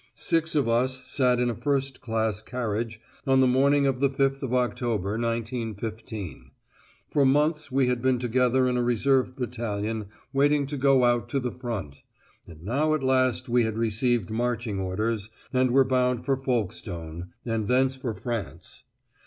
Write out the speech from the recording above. Six of us sat in a first class carriage on the morning of the 5th of October, 1915: for months we had been together in a reserve battalion waiting to go out to the front, and now at last we had received marching orders, and were bound for Folkestone, and thence for France.